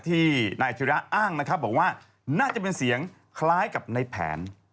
ที่นายธิระอ้างนะครับบอกว่าน่าจะเป็นเสียงคล้ายกับในแผน